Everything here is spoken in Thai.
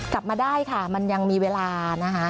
กลับมาได้ค่ะมันยังมีเวลานะคะ